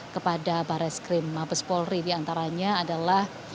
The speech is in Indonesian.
kepada barat krim habis polri di antaranya adalah